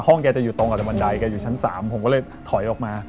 แกจะอยู่ตรงกับบันไดแกอยู่ชั้น๓ผมก็เลยถอยออกมา